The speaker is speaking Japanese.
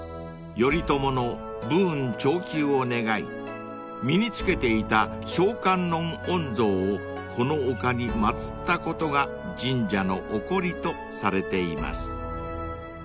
［頼朝の武運長久を願い身に着けていた正観世音像をこの丘に祭ったことが神社の起こりとされています］